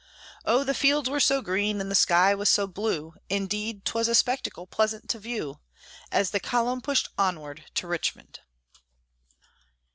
Oh! the fields were so green, and the sky was so blue, Indeed 'twas a spectacle pleasant to view, As the column pushed onward to Richmond.